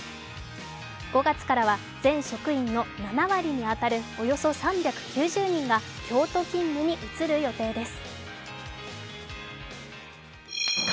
５月からは全職員の７割に当たるおよそ３９０人が京都勤務に移る予定です。